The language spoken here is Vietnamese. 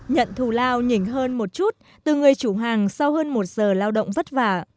nhận thù lao nhỉnh hơn một chút từ người chủ hàng sau hơn một giờ lao động vất vả